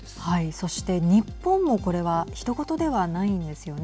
そして日本もこれはひと事ではないんですよね。